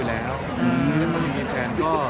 แล้วถ้ามีแฟนก็